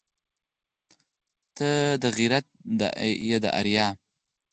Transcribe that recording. ته ننگ يې د اريا